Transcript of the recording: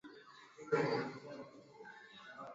utahiji Maji au maziwa ya uvuguvugu ya kutosha